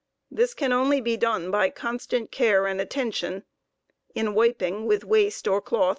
This can ^oieaniineBa only be done by constant care ahd attention, in wiping with waste or cloth?